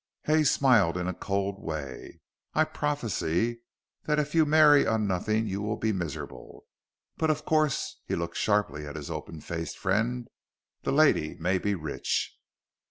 Hay smiled in a cold way. "I prophesy that if you marry on nothing you will be miserable. But of course," he looked sharply at his open faced friend, "the lady may be rich."